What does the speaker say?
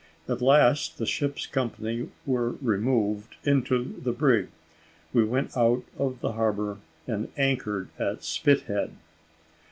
At last the ship's company were removed into the brig: we went out of the harbour, and anchored at Spithead.